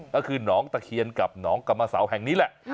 ก็คือหนองตะเคียนกับหนองกรรมเสาแห่งนี้แหละ